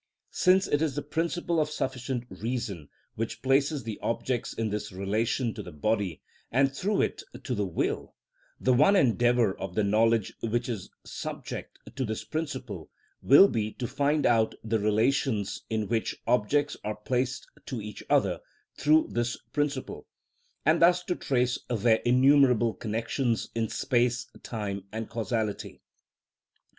Since it is the principle of sufficient reason which places the objects in this relation to the body, and, through it, to the will, the one endeavour of the knowledge which is subject to this principle will be to find out the relations in which objects are placed to each other through this principle, and thus to trace their innumerable connections in space, time, and causality.